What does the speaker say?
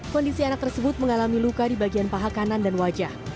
kondisi anak tersebut mengalami luka di bagian paha kanan dan wajah